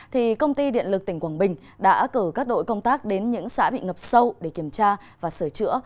thì công ty điện lực tỉnh quảng bình đã cử các đội công tác đến những xã bị ngập sâu để kiểm tra và sửa chữa